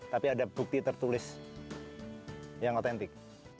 tapi ada bukti tertulis yang otentik